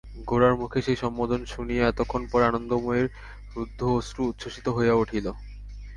গোরার মুখে সেই সম্বোধন শুনিয়া এতক্ষণ পরে আনন্দময়ীর রুদ্ধ অশ্রু উচ্ছ্বসিত হইয়া উঠিল।